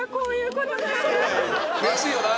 悔しいよな。